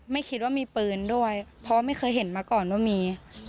ไม่คิดว่ามีปืนด้วยเพราะไม่เคยเห็นมาก่อนว่ามี